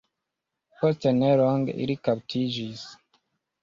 Post nelonge ili kaptiĝis.